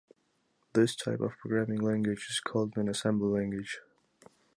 This type of programming language is called an assembly language.